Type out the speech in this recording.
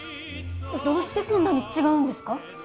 どうしてこんなに違うんですか？